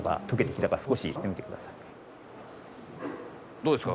どうですか？